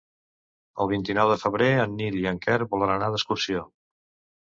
El vint-i-nou de febrer en Nil i en Quer volen anar d'excursió.